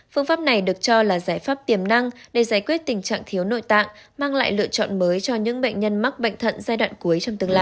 phương pháp này được cho là giải pháp tiềm năng để giải quyết tình trạng thiếu nội tạng mang lại lựa chọn mới cho những bệnh nhân mắc bệnh thận giai đoạn cuối trong tương lai